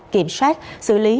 kiểm soát xử lý